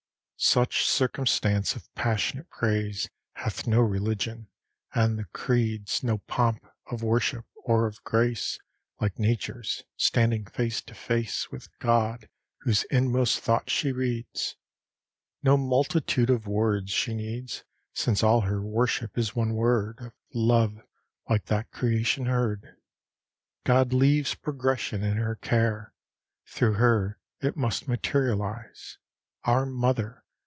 XLV Such circumstance of passionate praise Hath no religion; and the creeds No pomp of worship or of grace Like Nature's, standing face to face With God, whose inmost thought she reads: No multitude of words she needs, Since all her worship is one word Of love, like that creation heard. God leaves progression in her care: Through her it must materialize Our Mother!